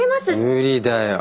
無理だよ。